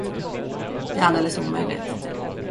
Det är alldeles omöjligt.